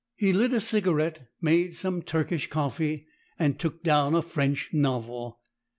He lit a cigarette, made some Turkish coffee, and took down a French novel.